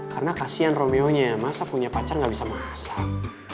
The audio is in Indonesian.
karena kasian romeonya masak punya pacar gak bisa masak